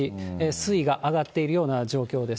水位が上がっているような状況です。